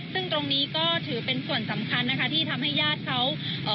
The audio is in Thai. ซึ่งตรงนี้ก็ถือเป็นส่วนสำคัญนะคะที่ทำให้ญาติเขาเอ่อ